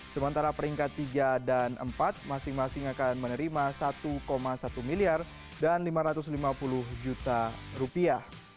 sementara peringkat tiga dan empat masing masing akan menerima satu satu miliar dan lima ratus lima puluh juta rupiah